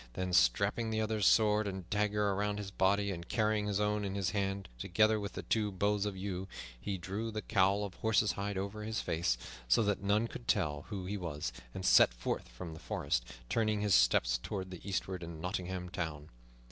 Then, strapping the other's sword and dagger around his body and carrying his own in his hand, together with the two bows of yew, he drew the cowl of horse's hide over his face, so that none could tell who he was, and set forth from the forest, turning his steps toward the eastward and Nottingham Town.